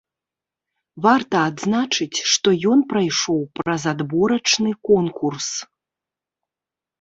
Варта адзначыць, што ён прайшоў праз адборачны конкурс.